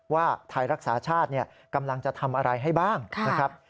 ว่าไทยรักษาชาติกำลังจะทำอะไรให้บ้างนะครับ